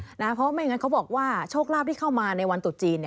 เพราะไม่งั้นเขาบอกว่าโชคลาภที่เข้ามาในวันตุดจีน